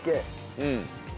うん。